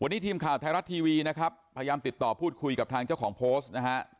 วันนี้ทีมข่าวไทยรัฐทีวีนะครับพยายามติดต่อพูดคุยกับทางเจ้าของโพสต์นะฮะ